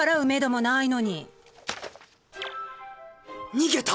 逃げた！